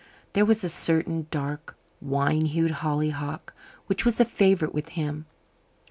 There was a certain dark wine hued hollyhock which was a favourite with him.